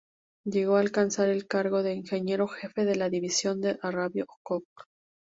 Llegó a alcanzar el cargo de Ingeniero Jefe de la División de arrabio-cok.